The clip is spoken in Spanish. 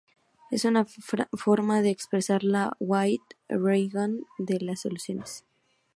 Es una forma de expresar la with rg de las soluciones.